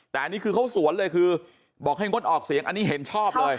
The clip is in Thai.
แต่อันนี้คือเขาสวนเลยคือบอกให้งดออกเสียงอันนี้เห็นชอบเลย